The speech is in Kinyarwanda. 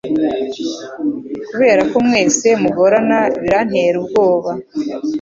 Kuberako mwese mugorana birantera ubwoba